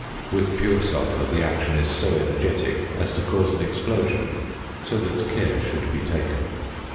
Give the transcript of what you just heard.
With pure sulphur, the action is so energetic as to cause an explosion, so that care should be taken.